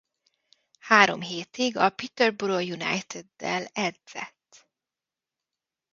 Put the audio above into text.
Három hétig a Peterborough Uniteddel edzett.